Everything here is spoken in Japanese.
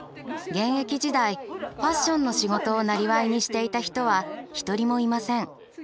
現役時代ファッションの仕事を生業にしていた人は一人もいません。